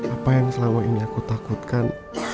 apa yang selama ini aku takutkan